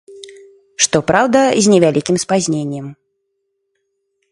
Што праўда, з невялікім спазненнем.